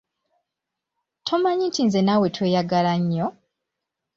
Tomanyi nti nze naawe tweyagala nnyo?